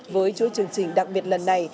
với chuỗi chương trình đặc biệt lần này